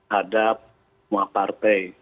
hadap semua partai